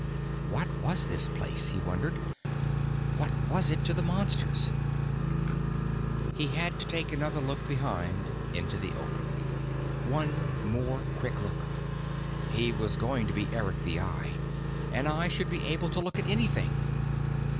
_ What was this place, he wondered? What was it to the Monsters? He had to take another look behind, into the open. One more quick look. He was going to be Eric the Eye. An Eye should be able to look at anything.